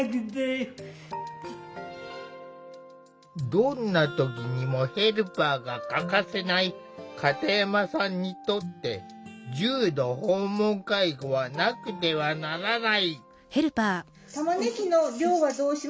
どんな時にもヘルパーが欠かせない片山さんにとって重度訪問介護はなくてはならない。